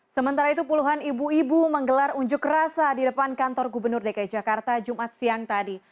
sementara itu puluhan ibu ibu menggelar unjuk rasa di depan kantor gubernur dki jakarta jumat siang tadi